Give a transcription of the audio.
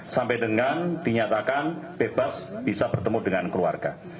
sampai dengan dinyatakan bebas bisa bertemu dengan keluarga